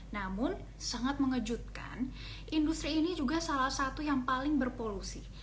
namun sangat mengejutkan industri ini juga salah satu yang paling berpolusi